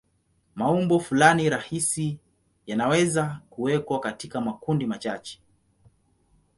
Maumbo fulani rahisi yanaweza kuwekwa katika makundi machache.